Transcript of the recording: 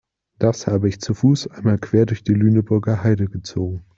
Das habe ich zu Fuß einmal quer durch die Lüneburger Heide gezogen.